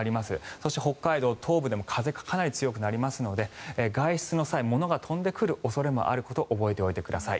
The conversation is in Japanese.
そして北海道東部でも風がかなり強くなりますので外出の際、物が飛んでくる恐れがあることも覚えておいてください。